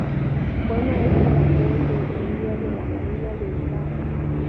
Fue maestro mayor de herrería de la Marina de Estado.